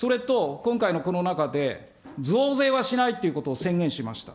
それと今回のこの中で、増税はしないということを宣言しました。